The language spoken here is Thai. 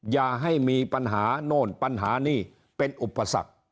อย่าให้มีปัญหาโน่นปัญหานี่เป็นอุปสรรค